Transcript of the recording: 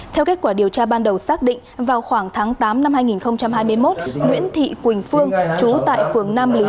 theo kết quả điều tra ban đầu xác định vào khoảng tháng tám năm hai nghìn hai mươi một nguyễn thị quỳnh phương chú tại phường nam lý